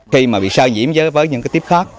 khi mà bị so nhiễm với những cái tiếp khác